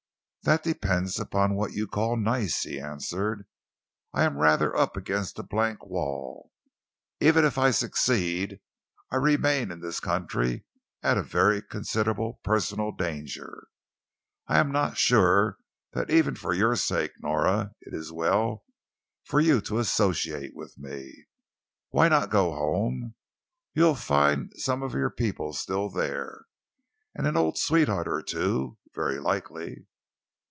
"That depends upon what you call nice," he answered. "I am rather up against a blank wall. Even if I succeed, I remain in this country at very considerable personal danger. I am not sure that even for your sake, Nora, it is well for you to associate with me. Why not go home? You'll find some of your people still there and an old sweetheart or two, very likely."